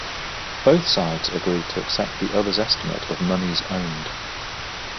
Both sides agreed to accept the other's estimate of monies owned.